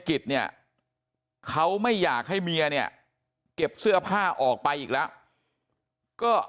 กิจเนี่ยเขาไม่อยากให้เมียเนี่ยเก็บเสื้อผ้าออกไปอีกแล้วก็